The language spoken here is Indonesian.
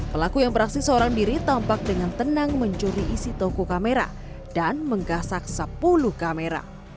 pelaku yang beraksi seorang diri tampak dengan tenang mencuri isi toko kamera dan menggasak sepuluh kamera